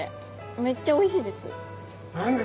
めっちゃおいしいです。